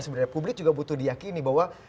sebenarnya publik juga butuh diakini bahwa